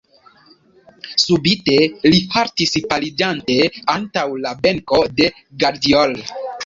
Subite li haltis paliĝante antaŭ la benko de Gardiol.